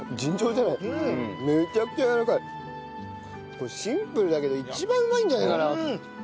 これシンプルだけど一番うまいんじゃないかな。